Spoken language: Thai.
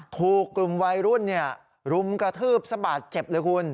ถูกกลุ่มวัยรุ่นรุมกระทืบซะบาดเจ็บเลยคุณ